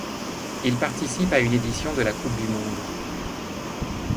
Il participe à une édition de la coupe du monde.